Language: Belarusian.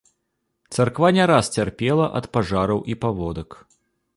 Царква не раз цярпела ад пажараў і паводак.